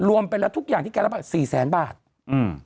รวมไปแล้วทุกอย่างที่แกรับไปสี่แสนบาทอืม